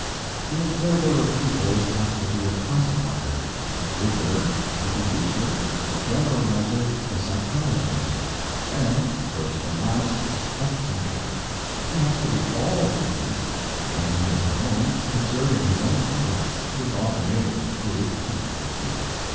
The Observer of Peoples has to be a Classifier, a Grouper, a Deducer, a Generalizer, a Psychologizer; and, first and last, a Thinker. He has to be all these, and when he is at home, observing his own folk, he is often able to prove competency.